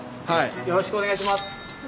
よろしくお願いします。